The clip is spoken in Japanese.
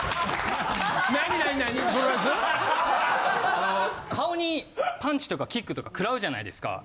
あの顔にパンチとかキックとかくらうじゃないですか。